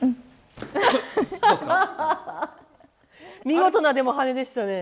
見事なでも羽でしたね。